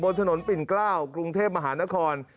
ถนนปิ่นเกล้ากรุงเทพมหานคร